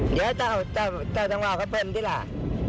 เดี๋ยวเจ้าเจ้าที่หล่ะ